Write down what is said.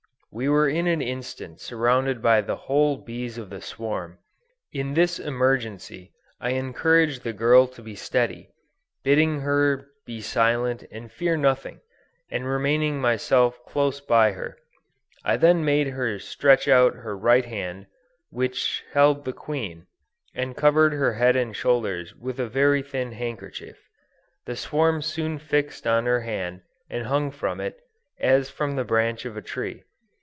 We were in an instant surrounded by the whole bees of the swarm. In this emergency I encouraged the girl to be steady, bidding her be silent and fear nothing, and remaining myself close by her; I then made her stretch out her right hand, which held the queen, and covered her head and shoulders with a very thin handkerchief. The swarm soon fixed on her hand and hung from it, as from the branch of a tree.